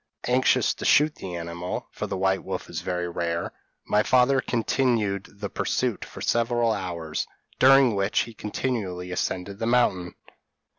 p> "Anxious to shoot the animal (for the white wolf is very rare) my father continued the pursuit for several hours, during which he continually ascended the mountain.